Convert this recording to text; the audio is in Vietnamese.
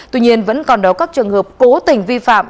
tuy nhiên vẫn còn đó các trường hợp cố tình vi phạm